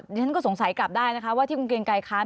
ฉันก็สงสัยกลับได้นะคะว่าที่คุณเกรงไกรค้าน